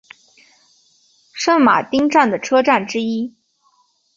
圣马丁站的车站之一。